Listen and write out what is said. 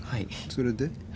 それで？